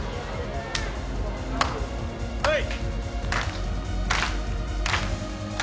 はい。